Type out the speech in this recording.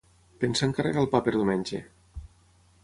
pensa a encarregar el pa per diumenge